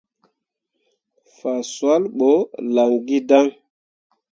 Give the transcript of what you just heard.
Fah swal ɓo lan gǝdaŋ.